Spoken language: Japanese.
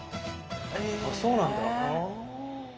あそうなんだ。